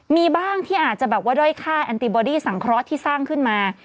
มีบ้างที่อาจจะแบบว่าด้อยค่ายแอนติบอดี้สังเคราะห์ที่สร้างขึ้นมา